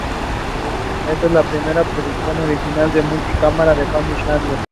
Esta es la primera producción original multi-cámara de Family Channel.